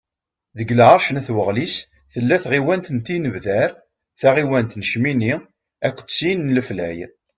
Deg lεerc n At Waɣlis, tella tɣiwant n Tinebdar, taɣiwant n Cmini, akked tin n Leflay.